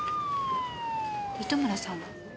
糸村さんは？